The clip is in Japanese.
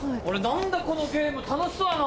何だこのゲーム楽しそうだな！